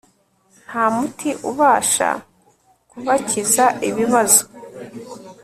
Nta muti ubasha kubakiza ibibazo